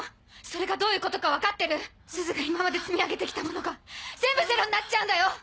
それがどういうことか分かってる⁉すずが今まで積み上げて来たものが全部ゼロになっちゃうんだよ？